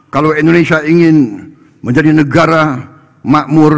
kalau indonesia ingin menjadi negara makmur